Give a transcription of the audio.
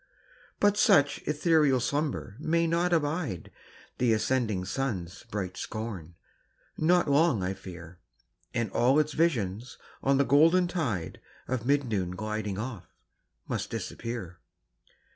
But such ethereal slumber may not bide The ascending sun's bright scorn not long, I fear; And all its visions on the golden tide Of mid noon gliding off, must disappear.